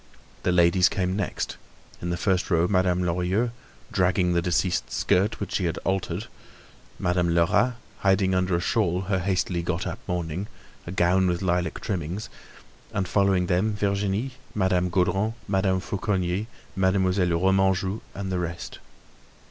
The ladies came next—in the first row Madame Lorilleux, dragging the deceased's skirt, which she had altered; Madame Lerat, hiding under a shawl her hastily got up mourning, a gown with lilac trimmings; and following them, Virginie, Madame Gaudron, Madame Fauconnier, Mademoiselle Remanjou and the rest.